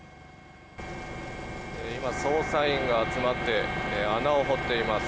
今、捜査員が集まって穴を掘っています。